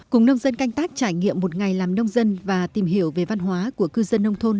cùng nông dân canh tác trải nghiệm một ngày làm nông dân và tìm hiểu về văn hóa của cư dân nông thôn